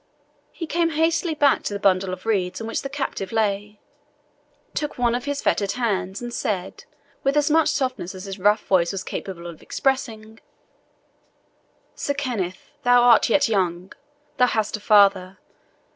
He came hastily back to the bundle of reeds on which the captive lay, took one of his fettered hands, and said, with as much softness as his rough voice was capable of expressing, "Sir Kenneth, thou art yet young thou hast a father.